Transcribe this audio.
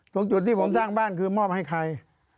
ตรงจุดที่ผมสร้างบ้านคือมอบให้ใคร